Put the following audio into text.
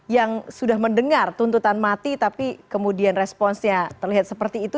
yang sudah mendengar tuntutan mati tapi kemudian responsnya terlihat seperti itu